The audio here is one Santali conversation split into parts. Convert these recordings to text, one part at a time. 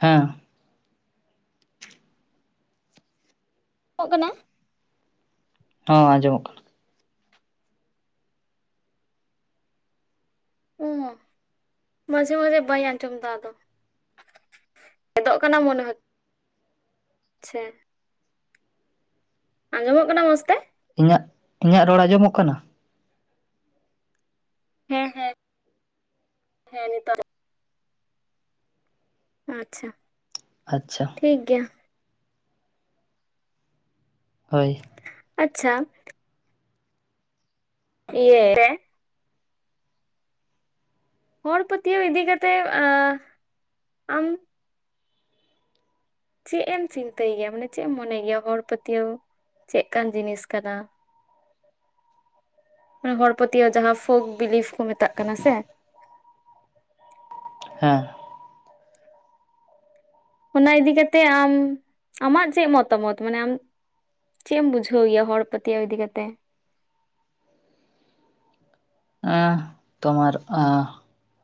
ᱦᱮᱸ ᱚᱜ ᱠᱟᱱᱟ ᱦᱮᱸ ᱟᱸᱡᱚᱢᱼᱚᱜ ᱠᱟᱱᱟ ᱚᱸ ᱢᱟᱡᱷᱮ ᱢᱟᱡᱷᱮ ᱵᱟ. ᱧ ᱟᱸᱡᱚᱢ ᱫᱟ ᱟᱫᱚ ᱜᱮᱫᱚᱜ ᱠᱟᱱᱟ ᱢᱚᱱᱮ ᱪᱷᱟ ᱟᱸᱡᱚᱢᱚᱜ ᱠᱟᱱᱟ ᱢᱚᱡᱽ ᱛᱮ? ᱤᱧᱟᱹᱜ ᱤᱧᱟᱹᱜ ᱨᱚᱲ ᱟᱸᱡᱚᱢᱚᱜ ᱠᱟᱱᱟ ᱦᱮᱸ ᱦᱮᱸ ᱦᱮᱸ ᱱᱤᱛ ᱟᱸᱡᱚᱢᱼᱚᱜ ᱟᱪᱷᱟ ᱟᱪᱪᱷᱟ ᱴᱷᱤᱠ ᱜᱮᱭᱟ ᱦᱳᱭ ᱟᱪᱪᱷᱟ [unintelligible] ᱦᱚᱲ ᱯᱟᱹᱛᱭᱟᱹᱣ ᱤᱫᱤ ᱠᱟᱛᱮ ᱟᱢ ᱪᱮᱜ ᱮᱢ ᱪᱤᱱᱛᱟᱹᱭ ᱜᱮᱭᱟ ᱢᱟᱱᱮ ᱪᱮᱜ ᱮᱢ ᱢᱚᱱᱮ ᱜᱮᱭᱟ ᱦᱚᱲ ᱯᱟᱹᱛᱭᱟᱹᱣ ᱪᱮᱫᱠᱟᱱ ᱡᱤᱱᱤᱥ ᱠᱟᱱᱟ? ᱦᱚᱲ ᱯᱟᱹᱛᱭᱟᱹᱣ ᱡᱟᱦᱟᱸ ᱯᱷᱳᱠ ᱵᱤᱞᱤᱯᱷ ᱠᱚ ᱢᱮᱛᱟᱜ ᱠᱟᱱᱟ ᱥᱮ ᱦᱮᱸ ᱚᱱᱟ ᱤᱫᱤ ᱠᱟᱛᱮᱜ ᱟᱢ ᱟᱢᱟᱜ ᱪᱮᱫ ᱢᱚᱛᱚ ᱢᱚᱛ ᱢᱟᱱᱮᱜ ᱟ ᱟᱢ? ᱪᱮᱫ ᱮᱢ ᱵᱩᱡᱷᱟᱹᱣ ᱜᱮᱭᱟ ᱦᱚᱲ ᱯᱟᱹᱛᱭᱟᱹᱣ ᱤᱫᱤ ᱠᱟᱛᱮ? ᱮᱸ ᱛᱚᱢᱟᱨ ᱮᱸ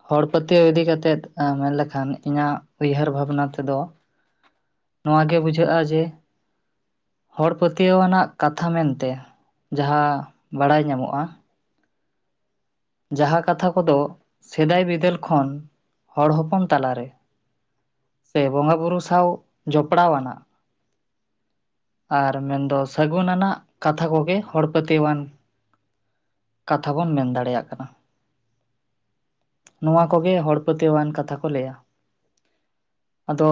ᱦᱚᱲ ᱯᱟᱹᱛᱭᱟᱹᱣ ᱤᱫᱤ ᱠᱟᱛᱮᱫ ᱢᱮᱱ ᱞᱠᱷᱟᱱ ᱤᱧᱟᱹᱜ ᱩᱭᱦᱟᱹᱨ ᱵᱷᱟᱵᱽᱱᱟ ᱛᱮᱫᱚ ᱱᱚᱶᱟ ᱜᱮ ᱵᱩᱡᱷᱟᱹᱜᱼᱟ ᱡᱮ ᱦᱚᱲ ᱯᱟᱹᱛᱭᱟᱹᱣ ᱟᱱᱟᱜ ᱠᱟᱛᱷᱟ ᱢᱮᱱᱛᱮ ᱡᱟᱦᱟᱸ ᱵᱟᱲᱟᱭ ᱧᱟᱢᱚᱜᱼᱟ᱾ ᱡᱟᱦᱟᱸ ᱠᱟᱛᱷᱟ ᱠᱚᱫᱚ ᱥᱮᱫᱟᱭ ᱵᱤᱫᱟᱹᱞ ᱠᱷᱚᱱ ᱦᱚᱲ ᱦᱚᱯᱚᱱ ᱛᱟᱞᱟ ᱨᱮ ᱥᱮ ᱵᱚᱸᱜᱟ ᱵᱩᱨᱩ ᱥᱟᱶ ᱡᱚᱯᱲᱟᱣ ᱟᱱᱟᱜ᱾ ᱟᱨ ᱢᱮᱱ ᱫᱚ ᱥᱟᱹᱜᱩᱱ ᱟᱱᱟᱜ ᱠᱟᱛᱷᱟ ᱠᱚᱜᱮ ᱦᱚᱲ ᱯᱟᱹᱛᱭᱟᱹᱣ ᱟᱱ ᱠᱟᱛᱷᱟ ᱵᱚᱱ ᱢᱮᱱ ᱫᱟᱲᱮᱭᱟᱜ ᱠᱟᱱᱟ᱾ ᱱᱚᱶᱟ ᱠᱚᱜᱮ ᱦᱚᱲ ᱯᱟᱹᱛᱭᱟᱹᱣᱟᱱ ᱠᱟᱛᱷᱟ ᱠᱚ ᱞᱟᱹᱭᱟ ᱟᱫᱚ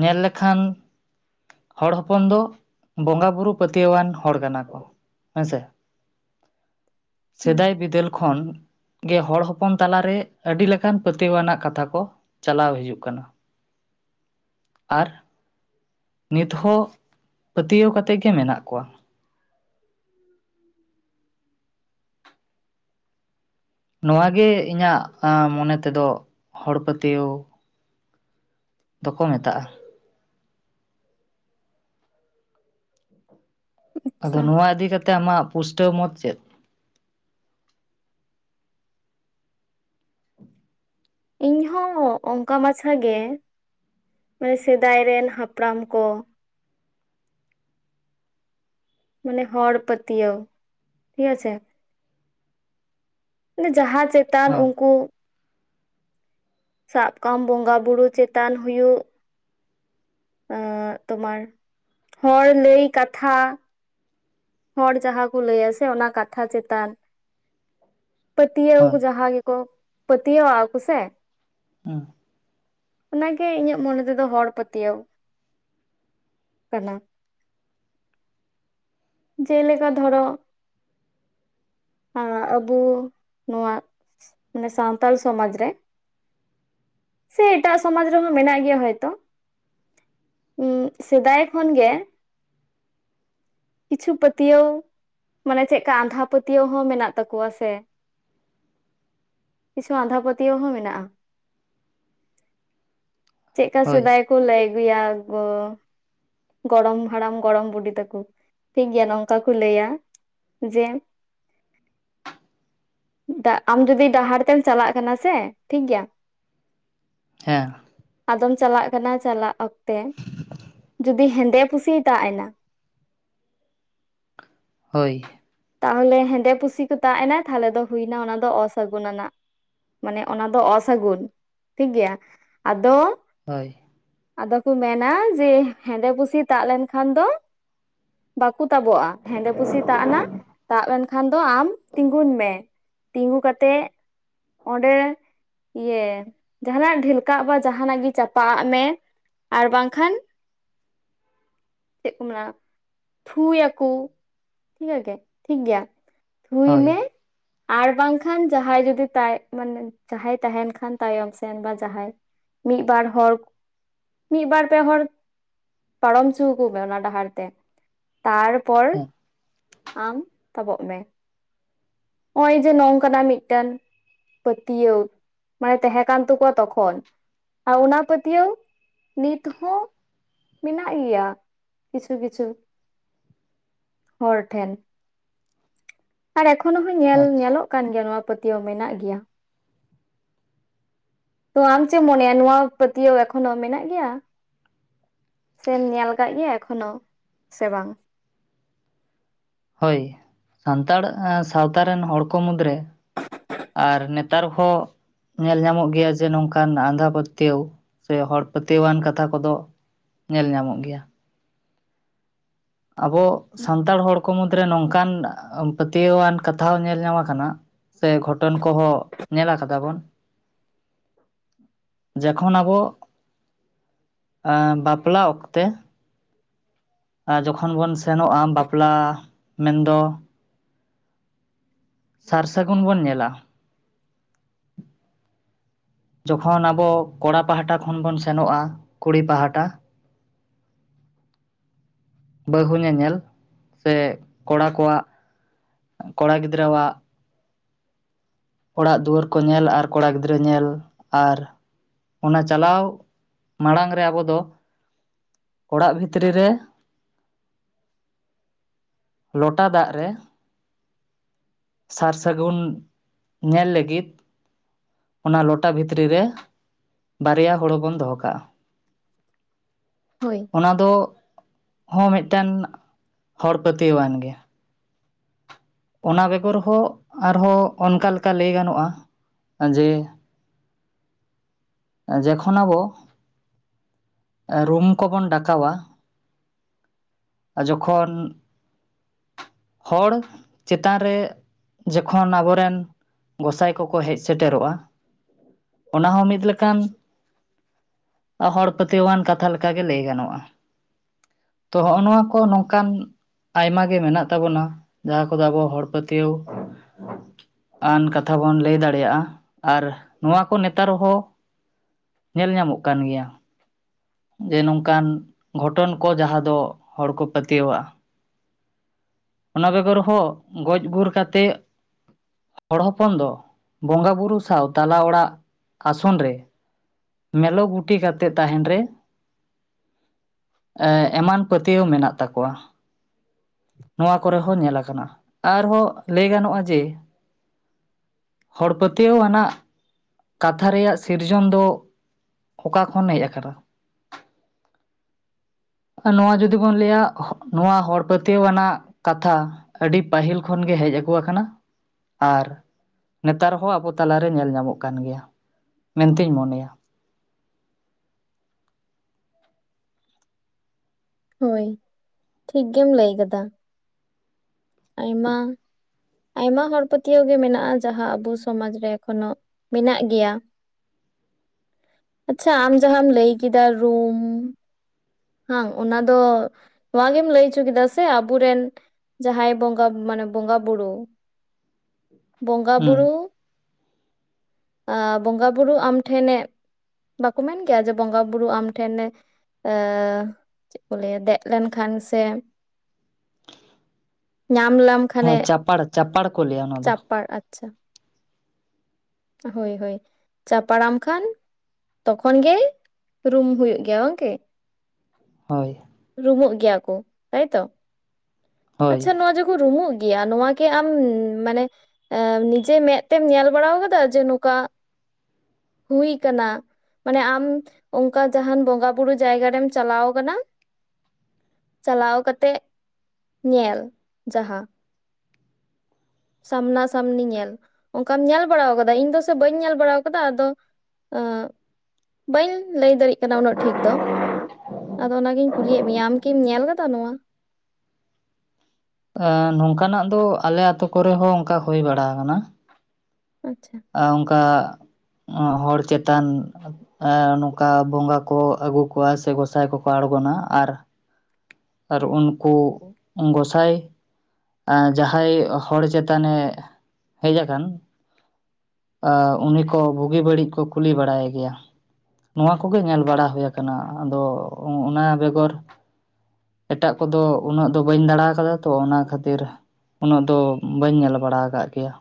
ᱧᱮᱞ ᱞᱮᱠᱷᱟᱱ ᱦᱚᱲ ᱦᱚᱯᱚᱱ ᱫᱚ ᱵᱚᱸᱜᱟ ᱵᱩᱨᱩ ᱯᱟᱹᱛᱭᱟᱹᱣ ᱟᱱ ᱦᱚᱲ ᱠᱟᱱᱟ ᱠᱚ ᱦᱮᱸᱥᱮ? [inaudible] ᱥᱮᱫᱟᱭ ᱵᱤᱫᱟᱹᱞ ᱠᱷᱚᱱ ᱜᱮ ᱦᱚᱲ ᱦᱚᱯᱚᱱ ᱛᱟᱞᱟ ᱨᱮ ᱟᱹᱰᱤ ᱞᱮᱠᱟᱱ ᱯᱟᱹᱛᱭᱟᱹᱣ ᱟᱱᱟᱜ ᱠᱟᱛᱷᱟ ᱠᱚ ᱪᱟᱞᱟᱣ ᱦᱤᱡᱩᱜ ᱠᱟᱱᱟ᱾ ᱟᱨ ᱱᱤᱛ ᱦᱚᱸ ᱯᱟᱹᱛᱭᱟᱹᱣ ᱠᱟᱛᱮ ᱜᱮ ᱢᱮᱱᱟᱜ ᱠᱚᱣᱟ᱾ ᱱᱚᱶᱟ ᱜᱮ ᱤᱧᱟᱹᱜ ᱢᱚᱱᱮ ᱛᱮᱫᱚ ᱦᱚᱲ ᱯᱟᱹᱛᱭᱟᱹᱣ ᱫᱚᱠᱚ ᱢᱮᱛᱟᱜᱼᱟ ᱟᱫᱚ ᱟᱪᱪᱷᱟ ᱱᱚᱣᱟ ᱤᱫᱤ ᱠᱟᱛᱮ ᱟᱢᱟᱜ ᱯᱩᱥᱴᱟᱹᱣ ᱢᱚᱛ ᱪᱮᱫ ᱤᱧ ᱦᱚᱸ ᱚᱱᱠᱟ ᱢᱟᱪᱷᱟ ᱜᱮ ᱥᱮᱫᱟᱭ ᱨᱮᱱ ᱦᱟᱯᱲᱟᱢ ᱠᱚ ᱢᱟᱱᱮ ᱦᱚᱲ ᱯᱟᱹᱛᱭᱟᱹᱣ ᱦᱮᱸ ᱥᱮ? ᱢᱟᱱᱮ ᱡᱟᱦᱟᱸ ᱪᱮᱛᱟᱱ ᱦᱚᱸ ᱩᱱᱠᱩ ᱥᱟᱵ ᱠᱚᱢ ᱵᱚᱸᱜᱟ ᱵᱩᱨᱩ ᱪᱮᱛᱟᱱ ᱦᱩᱭᱩᱜ᱾ ᱚᱸ ᱛᱳᱢᱟᱨ ᱦᱚᱲ ᱞᱟᱹᱭ ᱠᱟᱛᱷᱟ ᱦᱚᱲ ᱡᱟᱦᱟᱸ ᱠᱚ ᱞᱟᱹᱭ ᱟ ᱥᱮ ᱚᱱᱟ ᱠᱟᱛᱷᱟ ᱪᱮᱛᱟᱱ ᱯᱟᱹᱛᱭᱟᱹᱣ ᱠᱚ ᱦᱳᱭ ᱡᱟᱦᱟᱸ ᱜᱮᱠᱚ ᱯᱟᱹᱛᱭᱟᱹᱣ ᱟᱜ ᱟᱠᱚ ᱥᱮ ᱦᱩᱸ ᱚᱱᱟ ᱜᱮ ᱤᱧᱟᱹᱜ ᱢᱚᱱᱮ ᱛᱮᱫᱚ ᱦᱚᱲ ᱯᱟᱹᱛᱭᱟᱹᱣ [inaudible] ᱠᱟᱱᱟ ᱡᱮᱞᱮᱠᱟ ᱫᱷᱚᱨᱚ ᱟᱵᱚ ᱱᱚᱣᱟ ᱥᱟᱱᱛᱟᱲ ᱥᱚᱢᱟᱡᱽ ᱨᱮ ᱥᱮ ᱮᱴᱟᱜ ᱥᱚᱢᱟᱡᱽ ᱨᱮᱦᱚᱸ ᱢᱮᱱᱟᱜ ᱜᱮᱭᱟ ᱦᱚᱭᱛᱳ ᱥᱮᱫᱟᱭ ᱠᱷᱚᱱ ᱜᱮ ᱠᱤᱪᱷᱩ ᱯᱟᱹᱛᱭᱟᱹᱣ ᱢᱟᱱᱮ ᱪᱮᱫ ᱠᱟ ᱟᱸᱫᱷᱟ ᱯᱟᱹᱛᱭᱟᱹᱣ ᱦᱚᱸ ᱢᱮᱱᱟᱜ ᱛᱟᱠᱚᱣᱟ ᱥᱮ ᱠᱤᱪᱷᱩ ᱟᱸᱫᱷᱟ ᱯᱟᱹᱛᱭᱟᱹᱣ ᱦᱚᱸ ᱢᱮᱱᱟᱜᱼᱟ᱾ ᱪᱮᱫ ᱠᱟ ᱦᱳᱭ ᱥᱮᱫᱟᱭ ᱠᱚ ᱞᱟᱹᱭ ᱟᱜᱩᱭᱟ ᱜᱚ ᱜᱚᱲᱚᱢ ᱦᱟᱲᱟᱢ ᱜᱚᱲᱚᱢ ᱵᱩᱰᱷᱤ ᱛᱟᱠᱚ ᱴᱷᱤᱠ ᱜᱮᱭᱟ ᱱᱚᱝᱠᱟ ᱠᱚ ᱞᱟᱹᱭᱟ ᱡᱮ [unintelligible] ᱫᱟᱜ ᱟᱢ ᱡᱩᱫᱤ ᱰᱟᱦᱟᱨ ᱛᱮᱢ ᱪᱟᱞᱟᱜ ᱠᱟᱱᱟ ᱥᱮ ᱴᱷᱤᱠ ᱜᱮᱭᱟ᱾ [unintelligible] ᱦᱮᱸ ᱟᱫᱚᱢ ᱪᱟᱞᱟᱜ ᱠᱟᱱᱟ ᱪᱟᱞᱟᱜ ᱚᱠᱛᱮ ᱡᱩᱫᱤ ᱦᱮᱸᱫᱮ ᱯᱩᱥᱤ ᱫᱟᱜ ᱮᱱᱟ ᱾ ᱦᱳᱭ ᱛᱟᱦᱚᱞᱮ ᱦᱮᱸᱫᱮ ᱯᱩᱥᱤ ᱠᱚ ᱛᱟᱜ ᱮᱱᱟ ᱛᱟᱦᱚᱞᱮ ᱫᱚ ᱦᱩᱭ ᱮᱱᱟ ᱚᱱᱟ ᱫᱚ ᱚᱥᱟᱹᱜᱩᱱ ᱟᱱᱟᱜ᱾ ᱢᱟᱱᱮ ᱚᱱᱟ ᱫᱚ ᱚᱥᱟᱹᱜᱩᱱ ᱴᱷᱤᱠ ᱜᱮᱭᱟ ᱟᱫᱚ ᱦᱳᱭ ᱟᱫᱚ ᱠᱚ ᱢᱮᱱᱟ ᱡᱮ ᱦᱮᱸᱫᱮ ᱯᱩᱥᱤ ᱛᱟᱜ ᱞᱮᱱᱠᱷᱟᱱ ᱫᱚ ᱵᱟᱠᱩ ᱛᱟᱵᱚᱜᱼᱟ ᱦᱮᱸᱫᱮ ᱯᱩᱥᱤ ᱛᱟᱜ ᱮᱱᱟ ᱛᱟᱵᱽ ᱮᱱᱠᱷᱟᱱ ᱫᱚ ᱟᱢ ᱛᱤᱸᱜᱩᱱ ᱢᱮ ᱛᱤᱸᱜᱩ ᱠᱟᱛᱮᱜ ᱚᱸᱰᱮ ᱤᱭᱮ ᱡᱟᱦᱟᱱᱟᱜ ᱰᱷᱮᱞᱠᱟᱜ ᱵᱟ ᱡᱟᱦᱟᱱᱟᱜ ᱜᱮ ᱪᱟᱯᱟᱼᱟᱜ ᱢᱮ ᱾ ᱟᱨ ᱵᱟᱝᱠᱷᱟᱱ ᱾ ᱪᱮᱫ ᱠᱚ ᱢᱮᱱᱟ ᱛᱷᱩᱭᱟᱠᱚ ᱤᱱᱟᱹ ᱜᱮ ᱴᱷᱤᱠ ᱜᱮᱭᱟ ᱛᱷᱩᱭ ᱢᱮ ᱦᱳᱭ ᱟᱨ ᱵᱟᱝᱠᱷᱟᱱ ᱡᱟᱦᱟᱸᱭ ᱡᱩᱫᱤ ᱛᱟᱭ ᱢᱟᱱᱮ ᱡᱟᱦᱟᱸᱭ ᱛᱟᱸᱦᱮᱱ ᱠᱷᱟᱱ ᱛᱟᱭᱚᱢ ᱥᱮᱱ ᱵᱟ ᱡᱟᱦᱟᱸᱭ ᱢᱤᱫ ᱵᱟᱨ ᱦᱚᱲ ᱢᱤᱫ ᱵᱟᱨ ᱯᱮ ᱦᱚᱲ ᱯᱟᱨᱚᱢ ᱪᱩ ᱟᱠᱩ ᱢᱮ ᱚᱱᱟ ᱰᱟᱦᱟᱨ ᱛᱮ ᱛᱟᱨᱯᱚᱨ [unintelligible] ᱟᱢ ᱛᱟᱵᱚᱜ ᱢᱮ ᱱᱚᱜᱼᱚᱭ ᱡᱮ ᱱᱚᱝᱠᱟᱱᱟᱜ ᱢᱤᱫᱴᱟᱝ ᱯᱟᱹᱛᱭᱟᱹᱣ ᱢᱟᱱᱮ ᱛᱟᱦᱮᱸ ᱠᱟᱱ ᱛᱟᱠᱚᱣᱟ ᱛᱚᱠᱷᱚᱱ ᱟᱨ ᱚᱱᱟ ᱯᱟᱹᱛᱭᱟᱹᱣ ᱱᱤᱛ ᱦᱚᱸ ᱢᱮᱱᱟᱜ ᱜᱮᱭᱟ ᱠᱤᱪᱷᱩ ᱠᱤᱪᱷᱩ ᱦᱚᱲ ᱴᱷᱮᱱ ᱟᱨ ᱮᱠᱷᱚᱱ ᱦᱚᱸ ᱧᱮᱞ ᱟᱪᱪᱷᱟ ᱧᱮᱞᱚᱜ ᱠᱟᱱ ᱜᱮᱭᱟ ᱱᱚᱣᱟ ᱯᱟᱹᱛᱭᱟᱹᱣ ᱢᱮᱱᱟᱜ ᱜᱮᱭᱟ ᱛᱚ ᱟᱢ ᱪᱮᱫ ᱮᱢ ᱢᱚᱱᱮᱭᱟ ᱱᱚᱣᱟ ᱯᱟᱹᱛᱭᱟᱹᱣ ᱮᱠᱷᱚᱱᱚ ᱢᱮᱱᱟᱜ ᱜᱮᱭᱟ᱾ ᱥᱮᱢ ᱧᱮᱞ ᱟᱠᱟᱫ ᱜᱮᱭᱟ ᱮᱠᱷᱚᱱᱚ ᱥᱮ ᱵᱟᱝ? ᱦᱳᱭ ᱥᱟᱱᱛᱟᱲ ᱥᱟᱶᱛᱟ ᱨᱮᱱ ᱦᱚᱲ ᱠᱚ ᱢᱩᱫᱽᱨᱮ ᱟᱨ ᱱᱮᱛᱟᱨ ᱦᱚᱸ ᱧᱮᱞ ᱧᱟᱢᱚᱜ ᱜᱮᱭᱟ ᱡᱮ ᱱᱚᱝᱠᱟᱱ ᱟᱸᱫᱷᱟ ᱯᱟᱹᱛᱭᱟᱹᱣ ᱥᱮ ᱦᱚᱲ ᱯᱟᱹᱛᱭᱟᱹᱣᱟᱱ ᱠᱟᱛᱷᱟ ᱠᱚᱫᱚ ᱧᱮᱞ ᱧᱟᱢᱚᱜ ᱜᱮᱭᱟ᱾ ᱟᱵᱚ ᱥᱟᱱᱛᱟᱲ ᱦᱚᱲ ᱠᱚ ᱢᱩᱫᱨᱮ ᱱᱚᱝᱠᱟᱱ ᱯᱟᱹᱛᱤᱭᱟᱹᱣ ᱟᱱ ᱠᱟᱛᱷᱟ ᱦᱚᱸ ᱧᱮᱞ ᱧᱟᱢ ᱟᱠᱟᱱᱟ᱾ ᱥᱮ ᱜᱷᱚᱴᱚᱱ ᱠᱚᱦᱚᱸ ᱧᱮᱞ ᱟᱠᱟᱫᱟ ᱵᱚᱱ᱾ [inaudible] ᱡᱚᱠᱷᱚᱱ ᱟᱵᱚ ᱟ ᱵᱟᱯᱞᱟ ᱚᱠᱛᱮ ᱡᱚᱠᱷᱚᱱ ᱵᱚᱱ ᱥᱮᱱᱚᱜᱼᱟ ᱵᱟᱯᱞᱟ ᱢᱮᱱᱫᱚ ᱥᱟᱨ ᱥᱟᱹᱜᱩᱱ ᱵᱚᱱ ᱧᱮᱞᱟ ᱾ [unintelligible] ᱡᱚᱠᱷᱚᱱ ᱟᱵᱚ ᱠᱚᱲᱟ ᱯᱟᱦᱟᱴᱟ ᱠᱷᱚᱱ ᱵᱚᱱ ᱥᱮᱱᱚᱜᱼᱟ ᱠᱩᱲᱤ ᱯᱟᱦᱟᱴᱟ ᱵᱟᱹᱦᱩ ᱧᱮᱧᱮᱞ ᱥᱮ ᱠᱚᱲᱟ ᱠᱚᱣᱟᱜ ᱠᱚᱲᱟ ᱜᱤᱫᱽᱨᱟᱹᱣ ᱟᱜ ᱚᱲᱟᱜ ᱫᱩᱣᱟᱹᱨ ᱠᱚ ᱧᱮᱞ ᱟᱨ ᱠᱚᱲᱟ ᱜᱤᱫᱽᱨᱟᱹ ᱧᱮᱞ ᱟᱨ ᱾ ᱚᱱᱟ ᱪᱟᱞᱟᱣ ᱢᱟᱲᱟᱝ ᱨᱮ ᱟᱵᱚ ᱫᱚ ᱚᱲᱟᱜ ᱵᱷᱤᱛᱨᱤ ᱨᱮ ᱞᱚᱴᱟ ᱫᱟᱜ ᱨᱮ ᱥᱟᱨ ᱥᱟᱹᱜᱩᱱ ᱧᱮᱞ ᱞᱟᱹᱜᱤᱫ? ᱚᱱᱟ ᱞᱚᱴᱟ ᱵᱷᱤᱛᱨᱤ ᱨᱮ, ᱵᱟᱨᱭᱟ ᱦᱳᱲᱳ ᱵᱚᱱ ᱫᱚᱦᱚ ᱠᱟᱜᱼᱟ᱾ ᱦᱳᱭ᱾ ᱚᱱᱟ ᱫᱚ ᱦᱚᱸ ᱢᱤᱫᱴᱮᱱ ᱦᱚᱲ ᱯᱟᱹᱛᱭᱟᱹᱣ ᱟᱱ ᱜᱮ᱾ ᱚᱱᱟ ᱵᱮᱜᱚᱨ ᱦᱚᱸ ᱟᱨᱦᱚᱸ ᱚᱱᱠᱟ ᱞᱮᱠᱟ ᱞᱟᱹᱭ ᱜᱟᱱᱚᱜᱼᱟ, ᱡᱮ ᱡᱮᱠᱷᱚᱱ ᱟᱵᱚ ᱨᱩᱢ ᱠᱚᱵᱚᱱ ᱰᱟᱠᱟᱣᱼᱟ ᱡᱚᱠᱷᱚᱱ ᱦᱚᱲ ᱪᱮᱛᱟᱱ ᱨᱮ ᱡᱚᱠᱷᱚᱱ ᱟᱵᱚᱨᱮᱱ ᱜᱚᱸᱥᱟᱭ ᱠᱚᱠᱚ ᱦᱮᱡ ᱥᱮᱴᱮᱨᱚᱜᱼᱟ᱾ ᱚᱱᱟ ᱦᱚᱸ ᱢᱤᱫ ᱞᱮᱠᱟᱱ, ᱦᱚᱲ ᱯᱟᱹᱛᱭᱟᱹᱣ ᱟᱱ ᱠᱟᱛᱷᱟ ᱞᱮᱠᱟᱜᱮ ᱞᱟᱹᱭ ᱜᱟᱱᱚᱜᱼᱟ, ᱛᱚ ᱦᱚᱜ ᱱᱚᱣᱟ ᱠᱚ ᱱᱚᱝᱠᱟᱱ ᱟᱭᱢᱟ ᱜᱮ ᱢᱮᱱᱟᱜ ᱛᱟᱵᱚᱱᱟ, ᱡᱟᱦᱟᱸ ᱠᱚᱫᱚ ᱟᱵᱚᱣᱟᱜ ᱦᱚᱲ ᱯᱟᱹᱛᱭᱟᱹᱣ ᱟᱱ ᱠᱟᱛᱷᱟ ᱵᱚᱱ ᱞᱟᱹᱭ ᱫᱟᱲᱮᱭᱟᱜᱼᱟ ᱟᱨ ᱱᱚᱣᱟ ᱠᱚ ᱱᱮᱛᱟᱨ ᱦᱚᱸ ᱧᱮᱞ ᱧᱟᱢᱚᱜ ᱠᱟᱱ ᱜᱮᱭᱟ᱾ ᱡᱮ ᱱᱚᱝᱠᱟᱱ ᱜᱷᱚᱴᱚᱱ ᱠᱚ ᱡᱟᱦᱟᱸ ᱫᱚ ᱦᱚᱲ ᱠᱚ ᱯᱟᱹᱛᱭᱟᱹᱣ ᱟᱜᱼᱟ᱾ ᱚᱱᱟ ᱵᱮᱜᱚᱨ ᱦᱚᱸ ᱜᱚᱡ ᱜᱩᱨ ᱠᱟᱛᱮᱜ ᱦᱚᱲ ᱦᱚᱯᱚᱱ ᱫᱚ ᱵᱚᱸᱜᱟ ᱵᱩᱨᱩ ᱥᱟᱶ ᱛᱟᱞᱟ ᱚᱲᱟᱜ ᱟᱥᱚᱱ ᱨᱮ ᱢᱮᱞᱚ ᱜᱩᱴᱤ ᱠᱟᱛᱮ ᱛᱟᱦᱮᱸᱱ ᱨᱮ ᱮᱢᱟᱱ ᱯᱟᱹᱛᱭᱟᱹᱣ ᱢᱮᱱᱟᱜ ᱛᱟᱠᱚᱣᱟ᱾ ᱱᱚᱣᱟ ᱠᱚᱨᱮ ᱦᱚᱸ ᱧᱮᱞ ᱟᱠᱟᱱᱟ ᱟᱨᱦᱚᱸ ᱞᱟᱹᱭ ᱜᱟᱱᱚᱜᱼᱟ ᱡᱮ ᱦᱚᱲ ᱯᱟᱹᱛᱭᱟᱹᱣ ᱟᱱᱟᱜ ᱠᱟᱛᱷᱟ ᱨᱮᱭᱟᱜ ᱥᱤᱨᱡᱚᱱ ᱫᱚ, ᱚᱠᱟ ᱠᱷᱚᱱ ᱦᱮᱡ ᱟᱠᱟᱱᱟ? ᱱᱚᱣᱟ ᱡᱩᱫᱤ ᱵᱚᱱ ᱞᱟᱹᱭᱟ ᱱᱚᱣᱟ ᱦᱚᱲ ᱯᱟᱹᱛᱭᱟᱹᱣ ᱟᱱᱟᱜ ᱠᱟᱛᱷᱟ᱾ ᱟᱹᱰᱤ ᱯᱟᱹᱦᱤᱞ ᱠᱷᱚᱱ ᱜᱮ ᱦᱮᱡ ᱟᱜᱩᱣ ᱟᱠᱟᱱᱟ ᱟᱨ ᱱᱮᱛᱟᱨ ᱦᱚᱸ ᱟᱵᱚ ᱛᱟᱞᱟᱨᱮ ᱧᱮᱞ ᱧᱟᱢᱚᱜ ᱠᱟᱱ ᱜᱮᱭᱟ ᱢᱮᱱᱛᱤᱧ ᱢᱚᱱᱮᱭᱟ᱾ ᱦᱳᱭ, ᱴᱷᱤᱠ ᱜᱮᱢ ᱞᱟᱹᱭ ᱠᱟᱫᱟ᱾ ᱟᱭᱢᱟ ᱟᱭᱢᱟ ᱦᱚᱲ ᱯᱟᱹᱛᱭᱟᱹᱣ ᱜᱮ ᱢᱮᱱᱟᱜᱼᱟ, ᱡᱟᱦᱟᱸ ᱟᱵᱚ ᱥᱚᱢᱟᱡ ᱨᱮ ᱮᱠᱷᱚᱱᱳ ᱢᱮᱱᱟᱜ ᱜᱮᱭᱟ᱾ ᱟᱪᱪᱷᱟ ᱟᱢ ᱡᱟᱦᱟᱸᱢ ᱞᱟᱹᱭ ᱠᱮᱫᱟ ᱨᱩᱢ ᱵᱟᱸᱝ ᱚᱱᱟ ᱫᱚ ᱱᱚᱣᱟ ᱜᱮᱢ ᱞᱟᱹᱭ ᱚᱪᱚ ᱠᱮᱫᱟ ᱥᱮ ᱟᱵᱚᱨᱮᱱ ᱡᱟᱦᱟᱸᱭ ᱵᱚᱸᱜᱟ ᱢᱟᱱᱮ ᱵᱚᱸᱜᱟ ᱵᱩᱨᱩ, ᱵᱚᱸᱜᱟ ᱦᱩᱸ ᱵᱩᱨᱩ ᱵᱚᱸᱜᱟ ᱵᱩᱨᱩ ᱟᱢ ᱴᱷᱮᱱᱮ ᱵᱟᱠᱚ ᱢᱮᱱ ᱜᱮᱭᱟ ᱡᱮ ᱵᱚᱸᱜᱟ ᱵᱩᱨᱩ ᱟᱢ ᱴᱷᱮᱱᱮ ᱪᱮᱫ ᱠᱚ ᱞᱟᱹᱭᱟ? ᱫᱮᱡ ᱞᱮᱱᱠᱷᱟᱱ ᱥᱮ ᱧᱟᱢ ᱞᱟᱢ ᱦᱮᱸ ᱪᱟᱯᱟᱲ ᱪᱟᱯᱟᱲ ᱠᱚ ᱞᱟᱹᱭᱟ ᱚᱱᱟ ᱫᱚ᱾ ᱟᱪᱷᱟ᱾ ᱦᱳᱭ ᱦᱳᱭ, ᱪᱟᱯᱟᱲᱟᱢ ᱠᱷᱟᱱ ᱛᱚᱠᱷᱚᱱ ᱜᱮ ᱨᱩᱢ ᱦᱩᱭᱩᱜ ᱜᱮᱭᱟ᱾ ᱵᱟᱝ ᱜᱮ? ᱦᱳᱭ ᱨᱩᱢᱩᱜ ᱜᱮᱭᱟ ᱠᱚ ᱛᱟᱭᱛᱚ, ᱦᱳᱭ ᱟᱪᱪᱷᱟ ᱱᱚᱣᱟ ᱡᱚ ᱠᱚ ᱨᱩᱢᱩᱜ ᱜᱮᱭᱟ, ᱱᱚᱣᱟ ᱠᱤ ᱟᱢ ᱢᱟᱱᱮ ᱱᱤᱡᱮ ᱢᱮᱜ ᱛᱮᱢ ᱧᱮᱞ ᱵᱟᱲᱟᱣ ᱠᱟ ᱫᱟ ᱡᱮ ᱱᱚᱠᱟ ᱦᱩᱭ ᱠᱟᱱᱟ᱾ ᱢᱟᱱᱮ ᱟᱢ ᱚᱝᱠᱟ ᱡᱟᱦᱟᱱ ᱵᱚᱸᱜᱟ ᱵᱩᱨᱩ ᱡᱟᱭᱜᱟ ᱨᱮᱢ ᱪᱟᱞᱟᱣ ᱠᱟᱱᱟ᱾ ᱪᱟᱞᱟᱣ ᱠᱟᱛᱮᱜ, ᱧᱮᱞ ᱡᱟᱦᱟᱸ᱾ ᱥᱟᱢᱱᱟ ᱥᱟᱢᱱᱤ ᱧᱮᱞ, ᱚᱝᱠᱟᱢ ᱧᱮᱞ ᱵᱟᱲᱟᱣ ᱠᱟᱫᱟ? ᱤᱧ ᱫᱚ ᱥᱮ ᱵᱟᱹᱧ ᱧᱮᱞ ᱵᱟᱲᱟᱣ ᱠᱟᱫᱟ ᱟᱫᱚ ᱟᱸ ᱵᱟᱹᱧ ᱞᱟᱹᱭ ᱫᱟᱹᱲᱤᱜ ᱠᱟᱱᱟ ᱩᱱᱟᱹᱜ ᱴᱷᱤᱠ ᱫᱚ᱾ ᱟᱫᱚ ᱚᱱᱟᱜᱤᱧ ᱠᱩᱞᱤᱭᱮᱫ ᱢᱮᱭᱟ ᱟᱢᱠᱤᱢ ᱧᱮᱞ ᱠᱟᱫᱟ ᱱᱚᱣᱟ? ᱟᱸ ᱱᱚᱝᱠᱟ ᱱᱟᱜ ᱫᱚ ᱟᱞᱮ ᱟᱛᱳ ᱠᱚᱨᱮᱦᱚᱸ ᱚᱝᱠᱟ ᱦᱳᱭ ᱵᱟᱲᱟ ᱠᱟᱱᱟ᱾ ᱟᱪᱪᱷᱟ ᱮ ᱚᱝᱠᱟ ᱦᱚᱲ ᱪᱮᱛᱟᱱ ᱮᱸ ᱱᱚᱝᱠᱟ ᱵᱚᱸᱜᱟ ᱠᱚ ᱟᱹᱜᱩ ᱠᱚᱣᱟ ᱥᱮ ᱜᱚᱸᱥᱟᱭ ᱠᱚᱠᱚ ᱟᱲᱜᱚᱱᱟ᱾ ᱟᱨ ᱟᱨ ᱩᱱᱠᱩ ᱜᱚᱸᱥᱟᱭ ᱮ ᱡᱟᱦᱟᱸᱭ ᱦᱚᱲ ᱪᱮᱛᱟᱱ ᱮ ᱦᱮᱡ ᱟᱠᱟᱱ᱾ ᱩᱱᱤ ᱠᱚ ᱵᱩᱜᱤ ᱵᱟᱹᱲᱤᱡ ᱠᱚ ᱠᱩᱞᱤ ᱵᱟᱲᱟᱭ ᱜᱮᱭᱟ᱾ ᱱᱚᱣᱟ ᱠᱚᱜᱮ ᱧᱮᱞ ᱵᱟᱲᱟ ᱦᱳᱭ ᱠᱟᱱᱟ᱾ ᱟᱫᱚ ᱚᱱᱟ ᱵᱮᱜᱚᱨ ᱮᱴᱟᱜ ᱠᱚᱫᱚ ᱩᱱᱟᱹᱜ ᱫᱚ ᱵᱟᱹᱧ ᱫᱟᱬᱟ ᱟᱠᱟᱫᱟ ᱛᱚ᱾ ᱚᱱᱟ ᱠᱷᱟᱹᱛᱤᱨ ᱩᱱᱟᱹᱜ ᱫᱚ ᱵᱟᱹᱧ ᱧᱮᱞ ᱵᱟᱲᱟ ᱠᱟᱜ ᱜᱮᱭᱟ᱾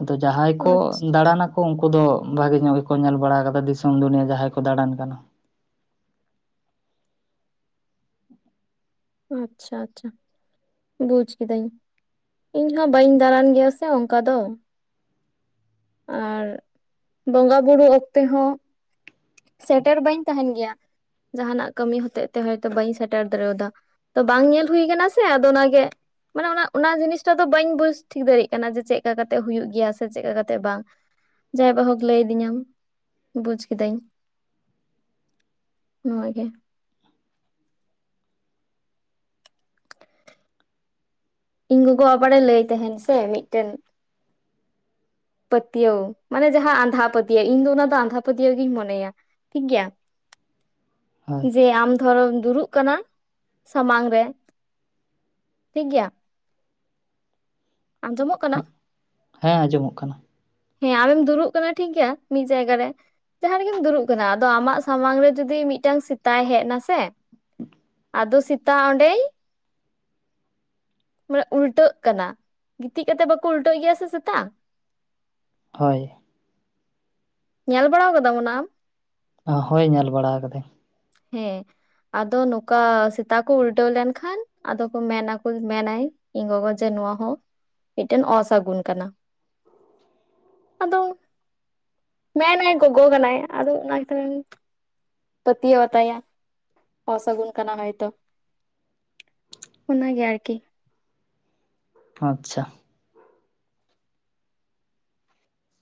ᱟᱫᱚ ᱡᱟᱦᱟᱸᱭ ᱠᱚ ᱟᱪᱪᱷᱟ ᱫᱟᱲᱟᱱᱟ ᱩᱱᱠᱩ ᱫᱚ ᱵᱷᱟᱜᱮ ᱧᱚᱜ ᱜᱮᱠᱚ ᱧᱮᱞ ᱵᱟᱲᱟ ᱠᱟᱫᱟ ᱾ ᱫᱤᱥᱚᱢ ᱫᱩᱱᱤᱭᱟᱹ ᱡᱟᱦᱟᱸᱭ ᱠᱚ ᱫᱟᱬᱟᱱ ᱠᱟᱱᱟ᱾ ᱟᱪᱪᱷᱟ ᱟᱪᱪᱷᱟ ᱟᱪᱪᱷᱟ ᱵᱩᱡ ᱠᱤᱫᱟᱹᱧ ᱾ ᱤᱧ ᱦᱚᱸ ᱵᱟᱹᱧ ᱫᱟᱬᱟᱱ ᱜᱮᱭᱟ ᱥᱮ ᱚᱱᱠᱟ ᱫᱚ᱾ ᱟᱨ ᱵᱚᱸᱜᱟ ᱵᱩᱨᱩ ᱚᱠᱛᱮ ᱦᱚᱸ ᱥᱮᱴᱮᱨ ᱵᱟᱹᱧ ᱛᱟᱦᱮᱱ ᱜᱮᱭᱟ᱾ ᱡᱟᱦᱟᱱᱟᱜ ᱠᱟᱹᱢᱤ ᱦᱚᱛᱮᱛᱮ ᱦᱚᱭᱛᱚ ᱵᱟᱹᱧ ᱥᱮᱴᱮᱨ ᱫᱟᱲᱮᱭᱟ ᱫᱟ᱾ ᱛᱚ ᱵᱟᱝ ᱧᱮᱞ ᱦᱩᱭ ᱠᱟᱱᱟ ᱥᱮ ᱟᱫᱚ ᱚᱱᱟᱜᱮ ᱢᱟᱱᱮ ᱚᱱᱟ ᱡᱤᱱᱤᱥᱴᱟ ᱫᱚ ᱵᱟᱹᱧ ᱵᱩᱡᱽ ᱴᱷᱤᱠ ᱫᱟᱲᱮᱭᱟᱜ ᱠᱟᱱᱟ᱾ ᱡᱮ ᱪᱮᱫ ᱠᱟ ᱠᱟᱛᱮᱜ ᱦᱩᱭᱩᱜ ᱜᱮᱭᱟ ᱥᱮ ᱪᱮᱫ ᱠᱟ ᱠᱟᱛᱮᱜ ᱵᱟᱝ᱾ ᱡᱟᱭ ᱵᱟ ᱦᱳᱠ ᱞᱟᱹᱭ ᱟᱫᱤᱧᱟᱢ ᱵᱩᱡ ᱠᱤᱫᱟᱹᱧ ᱱᱚᱣᱟ ᱜᱮ᱾ ᱤᱧ ᱜᱚᱜᱚ ᱟᱵᱟᱨᱮ ᱞᱟᱹᱭ ᱛᱟᱦᱮᱱ ᱥᱮ ᱢᱤᱫᱴᱮᱱ ᱯᱟᱹᱛᱭᱟᱹᱣ, ᱢᱟᱱᱮ ᱡᱟᱦᱟᱸ ᱟᱸᱫᱷᱟ ᱯᱟᱹᱛᱭᱟᱹᱣ, ᱤᱧ ᱫᱚ ᱚᱱᱟ ᱫᱚ ᱟᱸᱫᱷᱟ ᱯᱟᱹᱛᱭᱟᱹᱣ ᱜᱤᱧ ᱢᱚᱱᱮᱭᱟ᱾ ᱴᱷᱤᱠ ᱜᱮᱭᱟ ᱦᱳᱭ ᱾ ᱡᱮ ᱟᱢ ᱫᱷᱚᱨᱚᱢ [unintelligible] ᱫᱩᱲᱩᱵ ᱠᱟᱱᱟ ᱥᱟᱢᱟᱝ ᱨᱮ᱾ ᱴᱷᱤᱠ ᱜᱮᱭᱟ ᱟᱸᱡᱚᱢᱚᱜ ᱠᱟᱱᱟ? ᱦᱮᱸ ᱟᱸᱡᱚᱢᱚᱜ ᱠᱟᱱᱟ ᱦᱮᱸ ᱟᱢᱮᱢ ᱫᱩᱲᱩᱵ ᱠᱟᱱᱟ ᱴᱷᱤᱠ ᱜᱮᱭᱟ᱾ ᱢᱤᱫ ᱡᱟᱭᱜᱟ ᱨᱮ᱾ ᱡᱟᱦᱟᱸ ᱨᱮᱜᱮᱢ ᱫᱩᱲᱩᱵ ᱠᱟᱱᱟ᱾ ᱟᱫᱚ ᱟᱢᱟᱜ ᱥᱟᱢᱟᱝ ᱨᱮ ᱡᱩᱫᱤ ᱢᱤᱫᱴᱟᱝ ᱥᱮᱛᱟᱭ ᱦᱮᱡ ᱱᱟ ᱥᱮ᱾ ᱟᱫᱚ ᱥᱮᱛᱟ ᱚᱸᱰᱮᱭ ᱢᱟᱱᱮ ᱩᱞᱴᱟᱹᱜ ᱠᱟᱱᱟ ᱾ ᱜᱤᱛᱤᱡ ᱠᱟᱛᱮ ᱵᱟᱠᱚ ᱩᱞᱴᱟᱹᱜ ᱜᱮᱭᱟ ᱥᱮ ᱥᱮᱛᱟ? ᱦᱳᱭ ᱧᱮᱞ ᱵᱟᱲᱟ ᱠᱟᱫᱟᱢ ᱚᱱᱟ ᱟᱢ? ᱦᱳᱭ ᱧᱮᱞ ᱵᱟᱲᱟ ᱠᱟᱫᱟᱹᱧ᱾ ᱦᱮᱸ, ᱟᱫᱚ ᱱᱚᱠᱟ ᱥᱮᱛᱟ ᱠᱚ ᱩᱞᱴᱟᱹᱣ ᱞᱮᱱᱠᱷᱟᱱ ᱟᱫᱚ ᱠᱚ ᱢᱮᱱᱟ ᱠᱚ, ᱢᱮᱱᱟᱭ ᱤᱧ ᱜᱚᱜᱚ ᱡᱮ ᱱᱚᱣᱟ ᱦᱚᱸ, ᱢᱤᱫᱴᱮᱱ ᱚᱥᱟᱹᱜᱩᱱ ᱠᱟᱱᱟ᱾ ᱟᱫᱚ, ᱢᱮᱱᱟᱭ ᱜᱚᱜᱚ ᱠᱟᱱᱟᱭ᱾ ᱟᱫᱚ ᱚᱱᱟᱛ [unintelligible] ᱯᱟᱹᱛᱭᱟᱹᱣ ᱟᱛᱟᱭᱟ ᱚᱥᱟᱹᱜᱩᱱ ᱠᱟᱱᱟ ᱦᱳᱭ ᱛᱚ᱾ ᱚᱱᱟ ᱜᱮ ᱟᱨ ᱠᱤ ᱾ ᱟᱪᱪᱷᱟ᱾